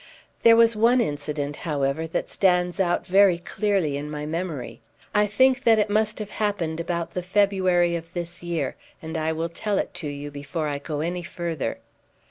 There was one incident, however, that stands out very clearly in my memory. I think that it must have happened about the February of this year, and I will tell it to you before I go any further.